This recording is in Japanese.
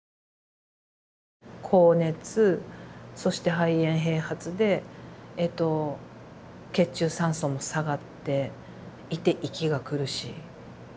高熱そして肺炎併発で血中酸素も下がっていて息が苦しい。